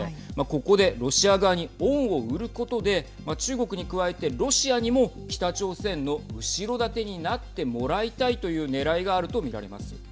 ここでロシア側に恩を売ることで中国に加えて、ロシアにも北朝鮮の後ろ盾になってもらいたいというねらいがあると見られます。